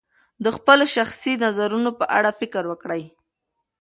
د خپلو شخصي نظرونو په اړه فکر وکړئ.